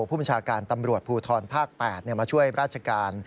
ผู้บัญชาการตำรวจภูทรภาค๘มาช่วยราชการ